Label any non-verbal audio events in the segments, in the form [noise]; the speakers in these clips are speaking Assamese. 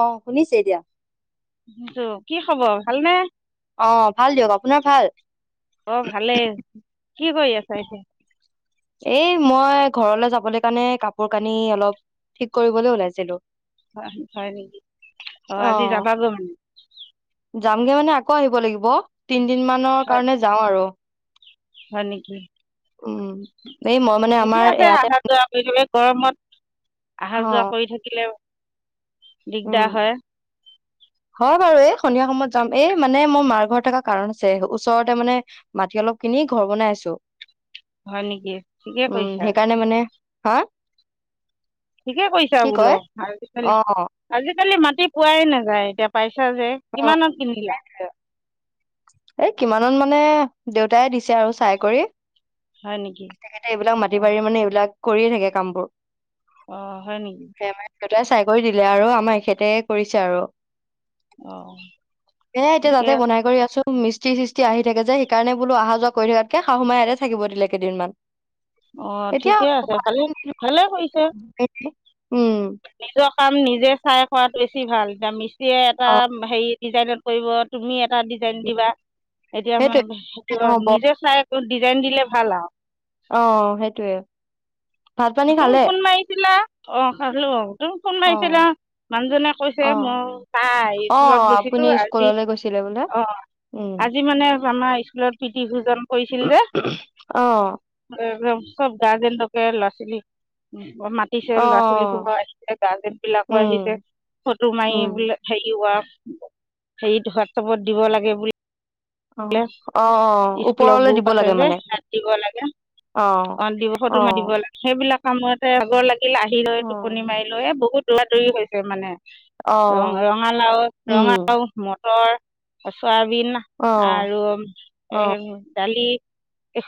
অ শুনিছে এতিয়া। টো কি খবৰ ভালনে। অ ভাল দিয়ক আপোনাৰ ভাল। অঁ ভালেই কি কৰি আছা এতিয়া। এই মই ঘৰলে যাবলৈ কাৰণে কাপোৰ কানি অলপ ঠিক কৰিবলৈ ওলাইছিলো? হয় হয় নেকি অ আজি যাবাগৈ মানে। যামগে মানে আকৌ আহিব লাগিব তিন। দিন মৰ হয় কাৰণে যাওঁ আৰু। হয় নেকি। উম এই মই মানে ঠিকে আমাৰ আছে ইয়াতে। অহা যোৱা কৰি গৰমত অ অহা যোৱা কৰি থাকিলে। উম দিগদাৰ হয়। হয় বাৰু এই সন্ধিয়া সময়ত যাম এই মানে মোৰ মাৰ ঘৰত থকা কাৰণ আছে ওচৰতে মানে মাটি অলপ কিনি ঘৰ বনাই আছো। হয় নেকি কিহে উম কৈছা। সেইকাৰণে মানে হা ঠিকে কৈছা কি বোলো কয় আৰু আজিকালি। অ আজিকালি মাটি পোৱাই নাযায়। এতিয়া পাইছে? আচছা যে কিমানত কিনিলা। ঐ কিমানত মানে, দেউতাই দিছে আৰু চাই কৰি। হয় নেকি তেখেতে এইবিলাক মাটি অঁ বাৰীৰ মানে এইবিলাক কৰিয়ে থাকে কামবোৰ। অহ, হয় নেকি? সেয়া মানে দেউতাই চাই কৰি দিলে আৰু আমাৰ এখেতে কৰিছে আৰু। অঁ এ এতিয়া ঠিকে তাতে বনাই কৰি আছো। মৃষ্টী-সৃষ্টি আহি থাকে যে সেইকাৰণে বো অহা-যোৱা কৰি থাকাতো শাহু মায়ে ইয়াতে থাকিব দিলে। কেইদিনমান। অহ এতিয়া ঠিকে আছে, ভালে-ভালে কৰিছে। উম। নিজৰ কাম নিজে চাই খোৱাত বেছি ভাল। এতিয়া মি এে এটা অ হেৰি ডিজাইনত কৰিব, তুমি টা ডিজাইন দিবা। এতিয়া সেইটোৱে মানে সেইটো নহ'ব নিজে চাই ডিজাইন দিলে ভাল আৰু। অহ সেইটোৱে। ভাত পানী তুমি খালে? ফোন মাৰিছিলা। অহ, খালো আউ। তুমি ফোন অ মাৰিছিলা। মানুহজনে কৈছে অ মোৰ পাই অ স্কুলত গৈছিলো আপুনি আজি স্কুললৈ গৈছিলে বোলে অহ, উম। আজি মানে এজনৰ স্কুলত প্ৰীতি ভোজন কৰিছিল যে। অ চব গাৰ্জেনটোকে লৰা উম। মাতিছে, অ ল'ৰা ছোৱালী হুপা আহিছে, গাৰ্জেন বিলাকো উম আহিছে, ফটো মাৰি উম বোলে হেৰি উৱা হেৰিত হোৱাটছপত দিব লাগে বোলে। অ অ স্কুলৰ ওপৰলে দিব গ্ৰুপ আছে লাগে যে, মানে। তাত দিব লাগে। অ', অহ দিব ফটো মাতিব অ', লাগে সেইবিলাক কামতে আগৰ লাগে আহি লৈ টোপনি অ', মাৰ লৈয়ে বহুত তৰা তৰি হৈছে মানে। অ', ৰ-ৰঙালাও, উম, ৰঙালাও, মটৰ ছয়াবিন অ', আৰু এ অ', দালি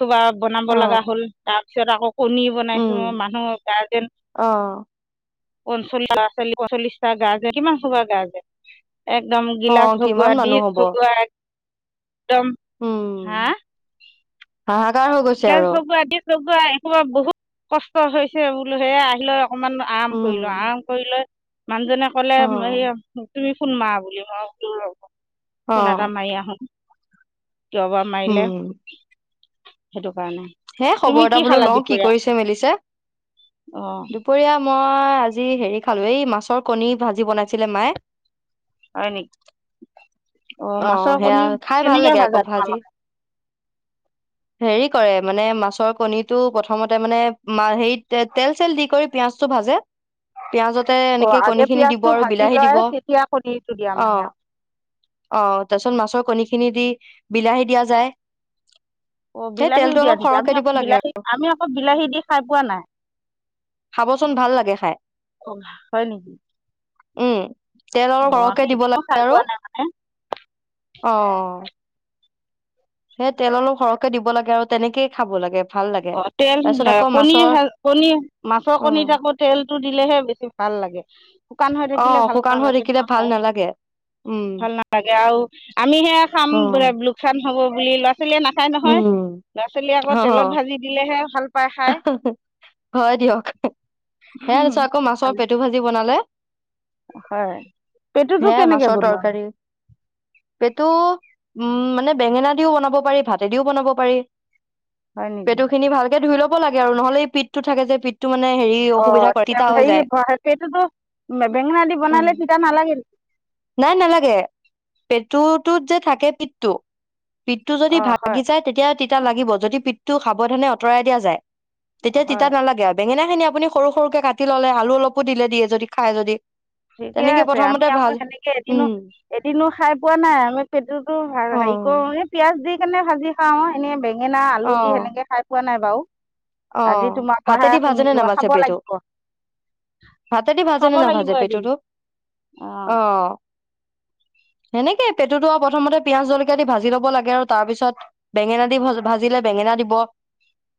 কবা বনাব অ', লগা হ'ল তাত। পিছত আকৌ কণীৰ বনাইছো, উম, মানুহৰ গাৰ্জেন অ', পঞ্চল্লিশটা লৰা ছোৱালী, পঞ্চচল্লিশটা গাৰ্জেন কিমান হব গাৰ্জেন? একদম গিলাচ অ', সজোৱা কিমান মানুহ ডিছ হ'ব? সজোৱা একদম হা উম, হাহাকাৰ হৈ গৈছে গেছ আৰু লগোৱা গেছ একোবাৰ বহুত কষ্ট হৈছে বোলো সেইয় আহিলে অকণমান আৰাম উম, কৰিলো আৰাম কৰি লৈ মানুহজনে ক'লে হে অ', তুমি ুোনমা বুলি ভও অ', পুনৰামাই আহ আহো যাবা মাৰিলে উম, সেইটো কাৰণে হে তুমি খবৰ কি এটা বোলো খালা লওঁ কি দুপৰীয়া কৰিছে মেলিছে অঁ দুপৰীয়া মই আজি হেৰি খালো এই মাছৰ কণী ভাজি বনাইছিলে মায়ে হয় নক অ সেয়া খাই ভাল লাগে ভাজা আকৌ ভাজি তোমালোকে হেৰি কৰে মানে মাছৰ কণীটো প্ৰথমতে মানে ম হেৰি তে তেল চেল দি কৰি পিঁয়াজটো ভাজে পিয়াজতে অ এনেকে কণী আগে খিনি দিব পিয়াজটো আৰু ভাজি বিলাহী দিব লয় অ তেতিয়া কণীৰটো দিয়া মানে আৰু অ তাৰ পিছত মাছৰ কণী খিনি দি বিলাহী দিয়া যায় অ সেই বিলাহীও তেলটো দিয়া অলপ নকি সৰহকে আমি অ দিব লাগে আৰু বিলাহী আমি অকৌ বিলাহী দি খাই পোৱা নাই খাবচোন ভাল লাগে খাই অঁ হয় নেকি উম তেল অলপ অঁ আমি সৰহকে দিব এদিনো লাগে খাই আৰু পোৱা নাই মানে অ সেই তেল অলপ সৰহকে দিব লাগে আৰু তেনেকেই খাব লাগে ভাল লাগে অ তেল তাৰপিছত আকৌ কণী মাছৰ কণী মাছৰ উম কণীত আকৌ তেলটো দিলেহে বেছি ভাল লাগে উ শুকান হৈ অ থাকিলে ভাল শুকান হৈ নালাগে থাকিলে নহয় ভাল খাই নালাগে উম ভাল নালাগে আৰু আমি সেয়া খাম অ লোকচান হব বুলি ল'ৰা ছোৱালী খাই নহয় উম ল'ৰা ছোৱালীয়ে আকৌ অ তেলত ভাজি ভাল পাই খাই হয় দিয়ক সে আছ আকৌ মাছৰ পেটু ভাজি বনালে হয় পেটুতো কেনেকে বনোৱা পেটো উম মানে বেঙেনা দিও বনাব পাৰি ভাতেদিও বনাব পাৰি হয় নেকি পেটু খিনি ভালকে ধুই ল'ব পেলাব লাগে আৰু নহলে এই পিঠটো থাকে যে, পিঠটো মানে হেৰি অ, অসুবিধা কৰে তিতা হৈ যায় হেৰি সেইটোতো বেঙেনা দি উম বনালে তিতা নালাগে নেকি? নাই নালাগে, পেটুটোত যে থাকে পিঠটো পিঠটো যদি অ হয় ভাগি যায়, তেতিয়া তিতা তিতা লাগিব, যদি পিঠটো সাৱধানে আঁতৰাই দিয়া যায় তেতিয়া তিতা হয় নালাগে আৰু বেঙেনা হয়নে আপুনি সৰু-সৰুকে কাটি ল'লে, আলু অলপো দিলে, দিয়ে যদি খাই যদি ঠিকে তেনেকে আছে, আমি প্ৰথমতে আকৌ ভাজ সেনেকে উম এদিনো-এদিনো খাই পোৱা নাই, আৰু পেটতো অ হেৰি কৰো নে পিয়াঁজ দি কেনে ভাজি খাওঁ, এনে বেগ বেঙেনা, অ আলু দি সেনেকে খাই পোৱা নাই। বাও অ, ভাতে দি ভাজেনে, খাব নাভাজে পেটু? লাগিব ভাতে দি খাব ভাজেনে, লাগিব নাভাজে এদিন পেটুটো? অঁ অ সেনেকে পেটুতো আৰু প্ৰথমতে পিয়াজ জলকীয়া দি ভাজি ল'ব লাগে আৰু, তাৰ পিছত বেঙেনা দি ভাজি-ভাজিলে বেঙেনা দিব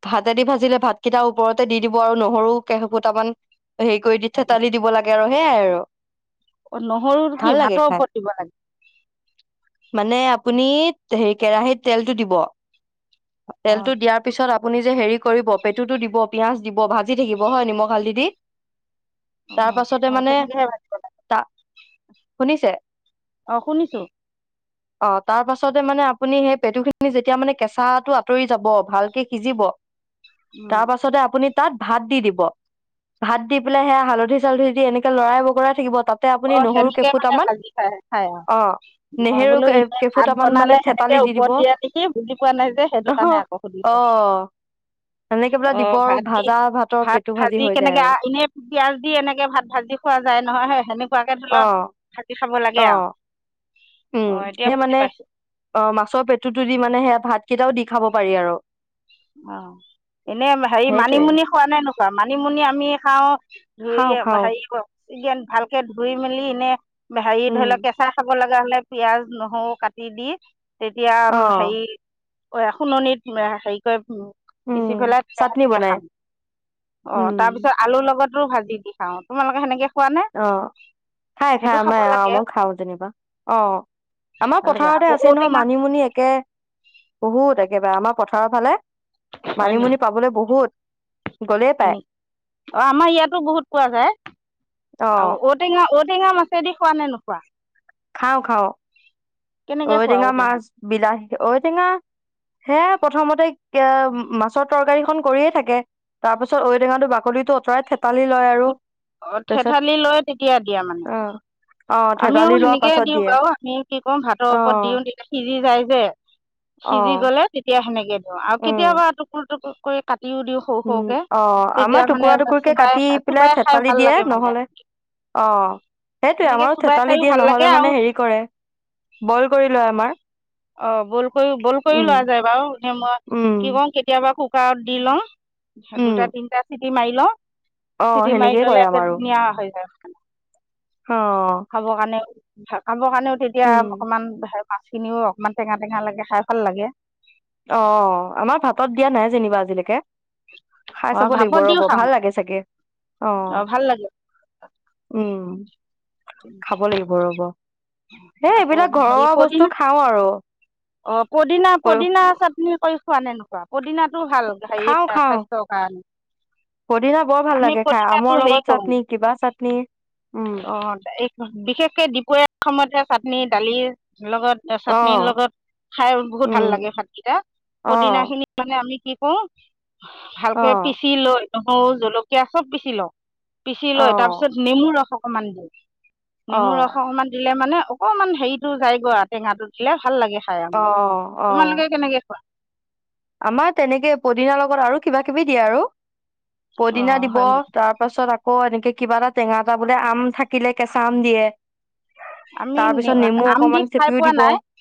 ভা ভাতেদি ভাজিলে ভাতকেইটাৰ ওপৰতে দি দিব, আৰু নহৰু কেফোটামান হেৰি কৰি দি, থেতালি দিব লাগে। আৰু সেয়াই আৰু অ নহৰু কি ভাল লাগে ভাতৰ খাই ওপৰত দিব লাগে? মানে, আপুনি হে কেৰাহিত তেলটো দিব অঁ তেলটো দিয়াৰ পিছত, আপুনি যে হেৰি কৰিব, পেটুতো দিব, পিঁয়াজ দিব, ভাজি থাকিব হয় নিমখ, হালধি দি তাৰ উম পাছতে মানে তা শুনিছে? শুনিছোঁ অ, তাৰ পাছতে মানে আপুনি সেই পেটুখিনি যেতিয়া মানে কেঁচাটো আঁতৰি যাব, ভালকে সিজিব তাৰ পাছতে আপুনি তাত ভাত দি দিব, ভাত দি পেলাই সেয়াই হালধি, চালধি দি এনেকে লৰাই-বকৰাই থাকিব। তাতে অ, আপুনি নহৰু সেনেকে মানে কেইফুটামান ভাজি খাই-খাই আও, অ মই নেহেৰু বোলো এনেই ভাত কেইফুটামান মানে বনালে সেনেকে থেতালি দি দিব ওপৰত দিয়া নেকি বুজি পোৱা নাই যে, সেইটো কাৰণে আকৌ অ সুধিছো। সেনেকে পেলাই অ, দিব আৰু ভাত দি, ভাজা ভাতৰ ভাত পেটু ভাজি হৈ যায় কেনেকে আৰু এনে পিয়াজ দি এনেকে ভাত ভাজি খোৱা যায় নহয়, সেই সেনেকুৱাকে ধৰি লওক ভাজি খাব লাগে অ-অ, আৰু অ উম, এতিয়া সেই বুজি মানে পাইছো অ, মাছৰ পেটুটো দি মানে সেয়া ভাত কেইটাও দি খাব পাৰি আৰু। অ এনে হেৰি সেইটোৱে মানিমুনি খোৱা নাই নোখোৱা মানিমুনি আমি খাও ধুই খাওঁ খাওঁ হেৰি কৰ। ন ভালকে ধুই মেলি এনে হেৰি উম ধৰি লওক কেঁচা খাব লাগে। হে পিয়াজ নহৰু কাটি দি। তেতিয়া অ হেৰি অ শুননিত হেৰি [unintelligible] উম পিচি পেলাই তে চাটনি সেনেকে বনাই খাম অ উম তাৰপিছত আলুৰ লগত আলু ভাজি দি খাওঁ তোমালোকে সেনেকে খোৱা নে অ খাই খাই সেইটো খাব আমাৰ লাগে আমক খাওঁ যেনিবা অ আমাৰ ভাল লাগে পথাৰতে আকৌ আছে নহয় ঔটেঙা মানিমুনি একে বহুত একেবাৰে আমাৰ পথাৰৰ ফালে মানিমুনি পাবলৈ বহুত। গ'লেই পায় অ আমাৰ ইয়াতো বহুত পোৱা যায় অ ঔটেঙা ঔটেঙা মাছেদি খোৱা নে নোখোৱা? খাওঁ খাওঁ কেনেকৈ খোৱা ঔটেঙা মাছ বিলাহী ঔটেঙা সেয়া প্ৰথমতে। মাছৰ তৰকাৰী খন কৰিয়ে থাকে তাৰ পিছত ঔ টেঙাো বাকলিটো আঁতৰাই থাক থেঠালি লৈ তেতিয়া দিয়া মানে অ অ আমিও থেতালি লোৱাৰ সেনে পাছত দিওঁ দিয়ে বাৰু আমি কি কৰো ভাতৰ অ ওপৰত দিওঁ দিলে সি। য যায়ছে অ সিজি গলে তেতিয়া সেনেকে দিওঁ আৰু উম কেতিয়াবা টুকুৰ টুকুৰ। কৰি কাটি দিও দিওঁ সৰু উম সৰুকে অ আমাৰ তেতিয়া টুকুৰা মানে টুকুৰকে কাটি চবাই পেলাই থেতালি দিয়ে নহ'লে অ সেইটোৱে সেনেকৈ আমাৰো চোবাই থেতালি খায়ো দিয়ে ভাল লাগে নহ'লে আৰু মানে হেৰি কৰে বইল কৰি লয় আমাৰ অ বইল কৰি বইল কৰি উম লোৱা যায় বাৰু মই উম কি কওঁ কেতিয়াবা আ কোকাৰত দি লওঁ উম দুটা তিনিটা চ মাৰি লওঁ অ চিটি মাৰি সেনেকেই ললে কৰে আমাৰো একেলগে আ হৈ যায় হয়। অ খাব কাৰণে হয় খাবৰ কাৰণেও তেতিয়া উম অকণমান মাছখিনিও ইমান টেঙা টেঙা লাগে খাই ভাল লাগে। অ আমাৰ ভাতত দিয়া নাই যেনিবা আজিলৈকে। খাই অঁ চাব লাগিব ভাপত দিও ৰ'ব খাওঁ ভাল লাগে চাগে অ, অঁ ভাল লাগে উম উ [unintelligible] খাব লাগিব ৰব হেই আকৌ এইবিলাক হেৰি ঘৰুৱা পদিনা বস্তু খাঁও আৰু। চাতনি কৰি খোৱা নে নোখোৱা? পদিনা খাও খাও,, পদিনা বৰ ভাল আমি লাগে খাই পদিনাটো আমৰ হেৰি লগত কৰোঁ চাটনি কিবা চাটনি,, উম। বিশেষকে দুপৰীয়া সময়তহে চাটনি দালি লগত অ চাটনিৰ লগত খাই বহুত উম ভাল লাগে ভাতকেইটা,, অ পদিনা খিনি মানে আমি কি ক অ ভালকে পিচি লৈ নহৰো জলকীয়া চব পিচি লওঁ পিচি অ লৈ তাৰ পিছত নেমু ৰখ অকন অকণমান দে অ নেমু ৰস অকনমান দিলে মানে অকণমান হেৰিতো যাই গৈ আৰু টেঙাটো দিলে ভাল লাগে। খাই অ মানে, অ তোমালোকে কেনেকে খোৱা? আমাৰ তেনেকে পদিনাৰ লগত আৰু কিবা কিবি দিয়ে আৰু। পদিনা অঁ দিব হয় নেকি তাৰ পাছত আকৌ ক এনেকে কিবা এটা টেঙা এটা বোলে আম থাকিলে কেঁচা আম দিয়ে। আমি তাৰ পিছত নেমু আম দি অকমান খাই চেপিও পোৱা দিব নাই অ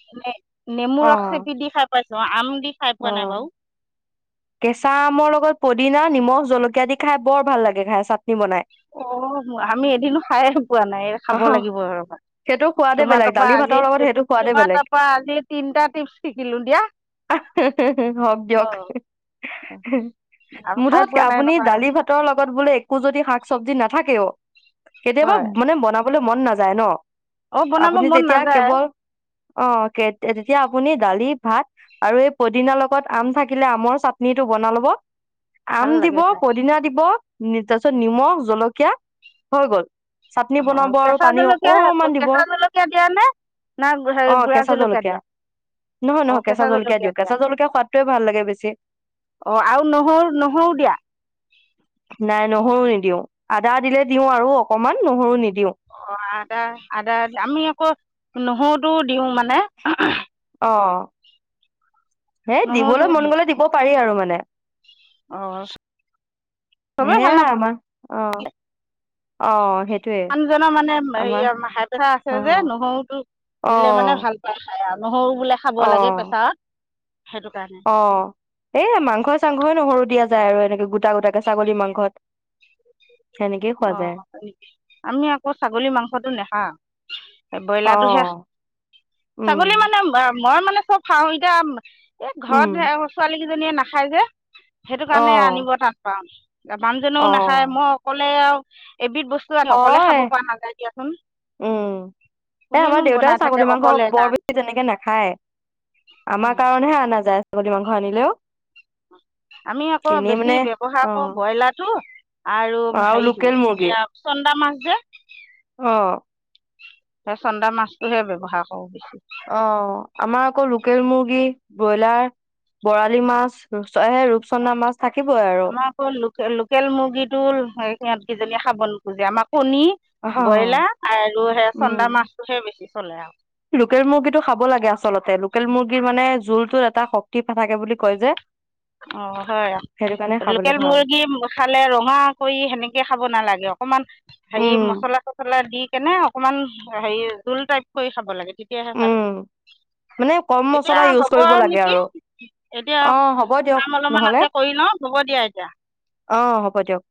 নেমুৰ ৰস চেপি দি খাই পাইছো আম দি খাই অ কোৱা নাই বাও কেঁচা আমৰ লগত পদিনা নিমখ জলকীয়া আদি খাই বৰ ভাল লাগে খাই চাতনি অ আমি এদিনো খাই পোৱা নাই অ খাব লাগিব আৰু সেইটো সোৱাদে তোমাৰ বেলেগ তাৰ পৰা দালি আজি ভাতৰ লগত সেইটো সোৱাদে তোমাৰ বেলেগ তাপা আজি তিনটা টিপছ শিকিলো দিয়া,, হওক অ দিয়ক মুঠত নাই আপুনি নহয় দালি ভাতৰ লগত ত বোলে একো যদি শাক চব্জি নাথাকেও কেতিয়াবা মানে বনাব বোলো মন নাযায় ন অ বনাব আপুনি মন তেতিয়া নাযায়। কেৱল অ কে তেতিয়া আপুনি দালি ভাত আৰু এই পদিনাৰ লগত আম থাকিলে আমৰ চাতনি চাতনিটো বনা ল'ব। ভাল আম দিব লাগে খাই পদিনা দিব তাৰপিছত নিমখ জলকীয়া হৈ গ'ল চাটনি অঁ বনাব আৰু কেঁচা পানী জলকীয়া অকমান দিব কেঁচা আহ জলকীয়া দিয়া নে না হেৰি গুড়া কেঁচা জলকীয়া দিয়া নহয় নহয় কেঁচা জলকীয়া দিওঁ কেঁচা জলকীয়া সোৱাদটোৱে ভাল লাগে বেছি। অ আৰু নহৰু-নহৰু দিয়া। নাই নহৰু নিদিওঁ, আদা দিলে দিওঁ আৰু অকনমান নহৰু নিদিওঁ। অ আদা-আদা আমি আকৌ নহৰুতো দিওঁ মানে। অ, হেই দিবলৈ মন গলে দিব পাৰি আৰু মানে। [inaudible] অ, ভাল সেয়াই নাপায় আমাৰ অ, অ সেইটো মানুহজনৰ মানে হেৰী অহ হাই প্ৰেচাৰ আছে অ যে, নহৰুতটো অ দিলে মানে ভাল পায় খাই আৰু। নহৰু বোলে খাব লাগে অ প্ৰেছাৰত। সেইটো কাৰণে অ এ মাংসই চাংঘই নহৰু দিয়া যায় আৰু এনেকে গোটা গোটাকে ছাগলী মাংসত। সেনেকেই খোৱা অ যায় আমি আকৌ ছাগলী মাংসটো নেখাওঁ। অ ব্ৰইলাৰটোহে, ছাগলী উম মানে মই মানে চব খাওঁ, এতিয়া এ ঘৰত উম ছোৱালী কিজনীয়ে নাখায় যে। সেইটো অ কাৰণে আনিব টান পাওঁ। মানুহজনো অ নাখায় মই অকল হে আৰু এবিধ বস্তু আনি অকলে হয়। খাব পৰা নাযায় দিয়াচোন উম, এ আমাৰ কোনেনো বনাই দেউতাও থাকে ছাগলী মাংস অকলে বৰ কাৰণে বেছি তেনেকে নাখায়, আমাৰ কাৰণেহে আনাযায়। ছাগলি মাংস আনিলেও। আমি আকৌ এনেই বেছি মানে ব্যৱহাৰ অ কৰো ব্ৰইলাৰটো আৰু হেৰিটো, চন্দা মাছ [unintelligible] অহ সেই চন্দা মাছটোহে ব্যৱহাৰ কৰোঁ বেছি অ আমাৰ আকৌ লোকেল মুৰ্গী ব্ৰইলাৰ, বৰালি মাছ, সেই ৰূপচন্দা মাছ থাকিবই আৰু আমাৰ আকৌ লোক লোকেল মুৰ্গীটো সিহঁত কেইজনীয়ে খাব ন আমাক কণী অ ব্ৰইলাৰ আৰু সে উম চন্দা মাছটোহে বেছি চলে আৰু। লোকেল মুৰ্গীটো খাব লাগে আচলতে লোকেল মুৰ্গীৰ মানে জোলটোত এটা শক্তিথাকে বুলি কয় যে। অ হয় সেইটো কাৰণে খাবলে লোকেল ভাল মুৰ্গী খালে ৰঙা কৰি সেনেকে খাব নালাগে অকমান হেৰি উম মচলা-চছলা দি কেনে অকমান হেৰি জোল টাইপ কৰি খাব লাগে। তেতিয়াহে ভাল। উম মানে কম এতিয়া মছলা ইউজ হব কৰিব আৰু লাগে নেকি? এতিয়া অ হ'ব দিয়ক কাম অলপমান নহ'লে আছে কৰি লওঁ হ'ব দিয়া এতিয়া। অ হ'ব দিয়ক।